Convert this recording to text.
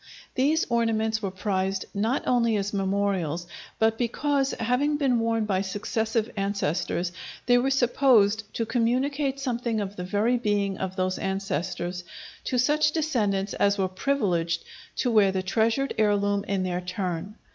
These ornaments were prized not only as memorials, but because, having been worn by successive ancestors, they were supposed to communicate something of the very being of those ancestors to such descendants as were privileged to wear the treasured heirloom in their turn.